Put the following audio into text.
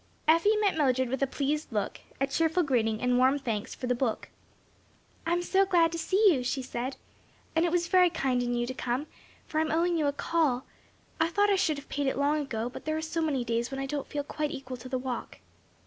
Effie met Mildred with a pleased look, a cheerful greeting, and warm thanks for the book. "I am so glad to see you!" she said, "and it was very kind in you to come; for I am owing you a call. I thought I should have paid it long ago, but there are so many days when I don't feel quite equal to the walk."